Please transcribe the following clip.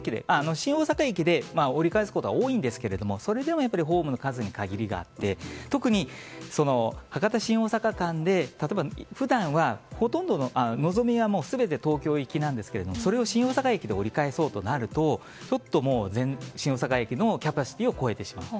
新大阪駅で折り返すことは多いんですけれどもホームの数には限りがあって特に、博多新大阪間で例えば普段は「のぞみ」は全て東京行きなんですが新大阪駅で折り返すとなると新大阪駅のキャパシティーを超えてしまうと。